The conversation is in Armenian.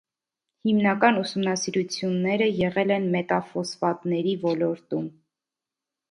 Հիմնական ուսումնասիրությունները եղել են մետաֆոսֆատների ոլորտում։